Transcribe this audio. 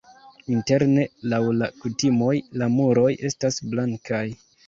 Interne laŭ la kutimoj la muroj estas blankaj.